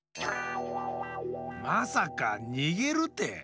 まさかにげるて！